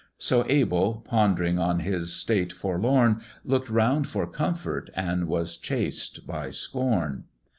So Abel, pondering on his state forlorn, Look'd round for comfort, and was chased by scorn.